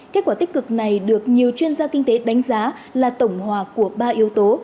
kết quả tích cực này được nhiều chuyên gia kinh tế đánh giá là tổng hòa của ba yếu tố